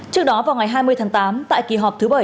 trước đó vào ngày hai mươi tháng tám tại kỳ họp thứ bảy